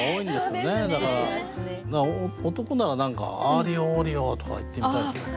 だから男なら何か「アーリオ・オーリオ！」とか言ってみたいですね。